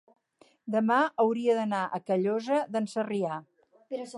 Demà hauria d'anar a Callosa d'en Sarrià.